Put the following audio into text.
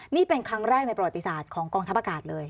นี่เป็นครั้งแรกในประวัติศาสตร์ของกองทัพอากาศเลย